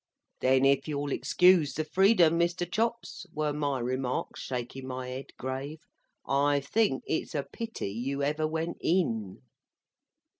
"Then if you'll excuse the freedom, Mr. Chops," were my remark, shaking my head grave, "I think it's a pity you ever went in."